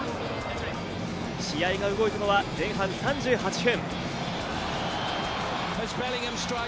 試合が動いたのは前半３８分。